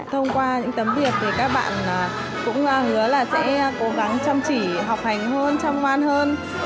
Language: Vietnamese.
thông qua những tấm việc thì các bạn cũng hứa là sẽ cố gắng chăm chỉ học hành hơn trong ngoan hơn